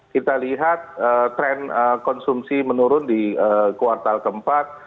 kita lihat tren konsumsi menurun di kuartal keempat